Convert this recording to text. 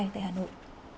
tại hà nội